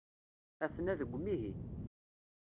Aten-a deg umihi.